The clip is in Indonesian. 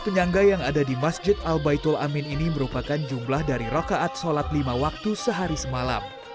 penyangga yang ada di masjid al baitul amin ini merupakan jumlah dari rokaat sholat lima waktu sehari semalam